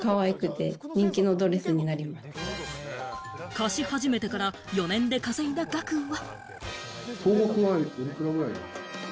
貸し始めてから４年で稼いだ額は？